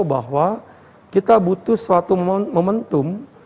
bahwa kita butuh suatu momentum